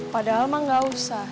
padahal mah gak usah